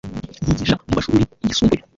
yigisha mu mashuri yisumbuye